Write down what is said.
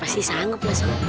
ya pasti sanggup lah